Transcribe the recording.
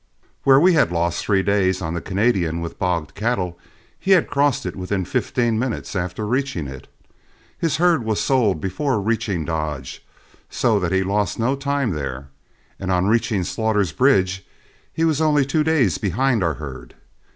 Where we had lost three days on the Canadian with bogged cattle, he had crossed it within fifteen minutes after reaching it. His herd was sold before reaching Dodge, so that he lost no time there, and on reaching Slaughter's bridge, he was only two days behind our herd.